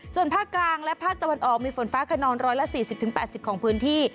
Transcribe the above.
ส่วนภาคกลางและภาคตะวันออกมีฝนฟ้าขนอง๑๔๐๘๐ของพื้นที่